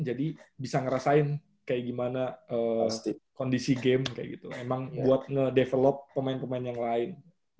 jadi bisa ngerasain kayak gimana kondisi game kayak gitu emang buat ngedevelop pemain pemain yang lain